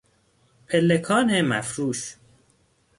پلکان مفروش